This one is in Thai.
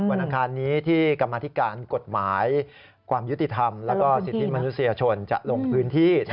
วันอาคารนี้ที่กรรมธิการกฎหมายความยุติธรรมและก็สิทธิมนุษยชนจะลงพื้นที่